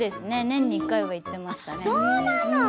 年に１回は行っていました。